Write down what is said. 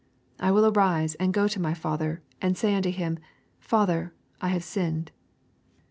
I will arise and go to my father, and say unto him, Father, I have sinned."